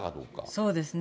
そうですね。